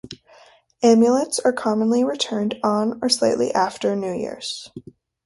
Amulets are commonly returned on or slightly after New Year's.